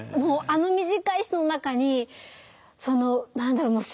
あの短い詩の中にその何だろう